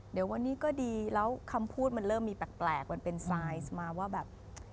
เดี๋ยววันนี้ก็ดีแล้วคำพูดมันเริ่มมีแปลกมันเป็นไซส์มาว่าแบบ